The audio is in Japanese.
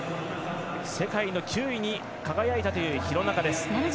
世界の９位に輝いたという廣中です。